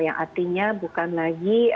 yang artinya bukan lagi